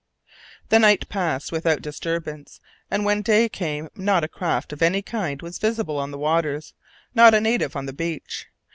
The night passed without disturbance, and when day came not a craft of any kind was visible on the waters, not a native on the beach.